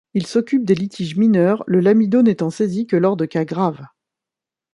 Il s'occupe des litiges mineurs, le lamido n'étant saisi que lors des cas graves.